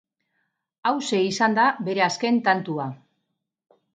Hauxe izan da bere azken tantua.